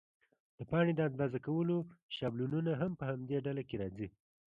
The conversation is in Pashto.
د پاڼې د اندازه کولو شابلونونه هم په همدې ډله کې راځي.